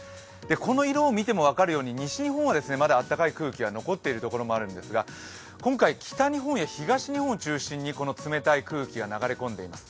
この色を見ても分かるように西日本はまだ暖かい空気が残っている所もあるんですが今回、北日本や東日本を中心にこの冷たい空気が流れ込んでいます。